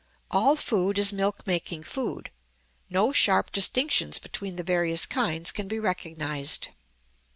All food is milk making food; no sharp distinctions between the various kinds can be recognized.